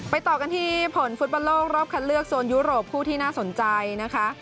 ต่อกันที่ผลฟุตบอลโลกรอบคัดเลือกโซนยุโรปคู่ที่น่าสนใจนะคะ